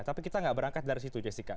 tapi kita nggak berangkat dari situ jessica